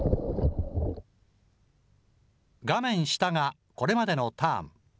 画面下がこれまでのターン。